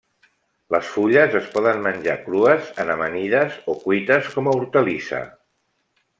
Les fulles es poden menjar crues en amanides o cuites com a hortalissa.